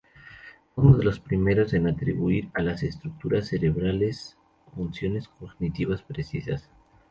Fue uno de los primeros en atribuir a las estructuras cerebrales funciones cognitivas precisas.